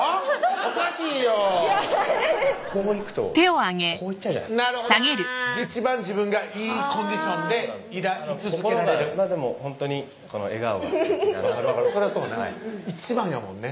おかしいよこう行くとこう行っちゃうじゃないですか一番自分がいいコンディションで居続けられるほんとにこの笑顔がすてきだなそれはそうね一番やもんね